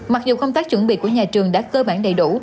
mặc dù công tác chuẩn bị của nhà trường đã cơ bản đầy đủ